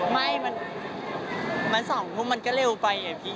ไม่มัน๒ทุ่มมันก็เร็วไปอะพี่